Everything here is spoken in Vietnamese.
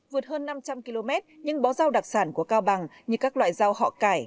vượt hơn năm trăm linh km những bó rau đặc sản của cao bằng như các loại rau họ cải